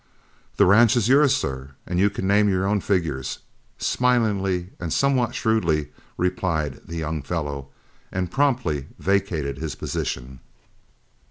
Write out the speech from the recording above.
"The ranch is yours, sir, and you can name your own figures," smilingly and somewhat shrewdly replied the young fellow, and promptly vacated his position.